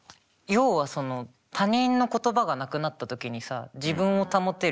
要はその他人の言葉がなくなった時にさ自分を保てるものがないわけじゃん。